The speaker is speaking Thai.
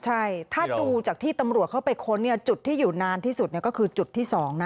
ใช่ถ้าดูจากที่ตำรวจเข้าไปค้นจุดที่อยู่นานที่สุดก็คือจุดที่๒นะ